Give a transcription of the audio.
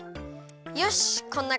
よしこんなかんじ？